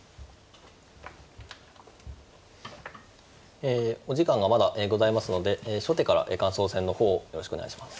えお時間がまだございますので初手から感想戦の方よろしくお願いします。